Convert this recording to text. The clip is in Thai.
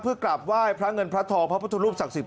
เพื่อกราบไหว้พระเงินพระทองพระพุทธรูปศักดิ์